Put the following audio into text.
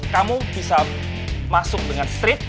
kamu bisa masuk dengan street